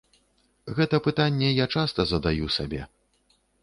Гэта пытанне я часта задаю сабе.